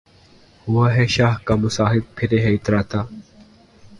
ہوا ہے شہہ کا مصاحب پھرے ہے اتراتا